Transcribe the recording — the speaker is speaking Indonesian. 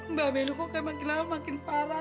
mbak belu kok kayak makin lama makin parah